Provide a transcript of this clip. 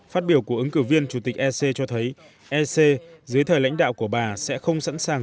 phát biểu của ứng cử viên chủ tịch ec cho thấy ec dưới thời lãnh đạo của bà sẽ không sẵn sàng